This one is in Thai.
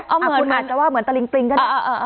อ้อเหมือนคุณอันจะว่าเหมือนตะลิงปลิงกันนะอ่าอ่า